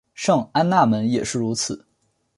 圣安娜门也是如此。